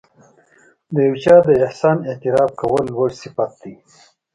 د یو چا د احسان اعتراف کول لوړ صفت دی.